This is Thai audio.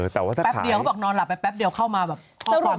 แต่ว่าถ้าขายแป๊บเดียวเขาบอกนอนหลับแป๊บเดียวเข้ามาข้อความเหลือมาก